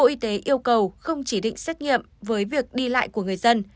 bộ y tế yêu cầu không chỉ định xét nghiệm với việc đi lại của người dân